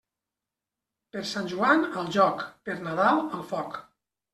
Per Sant Joan al joc, per Nadal al foc.